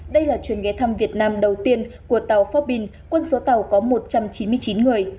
đây là chuyến ghé thăm việt nam đầu tiên của tàu forbin quân số tàu có một trăm chín mươi chín người